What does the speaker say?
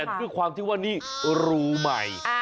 แต่ด้วยความที่ว่านี่รูใหม่